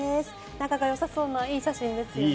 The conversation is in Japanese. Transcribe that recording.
仲がよさそうないい写真ですよね。